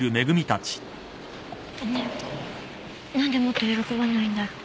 何でもっと喜ばないんだろう？